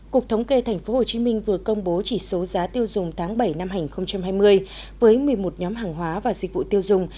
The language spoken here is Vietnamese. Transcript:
cục thống kê tp hcm vừa công bố chỉ số giá tiêu dùng tháng bảy năm hai nghìn hai mươi với một mươi một nhóm hàng hóa và dịch vụ tiêu dùng